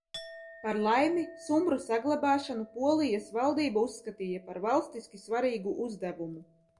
Par laimi, sumbru saglabāšanu Polijas valdība uzskatīja par valstiski svarīgu uzdevumu.